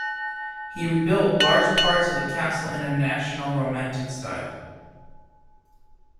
He rebuilt large parts of the castle in a national romantic style.